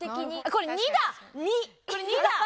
これ２だ！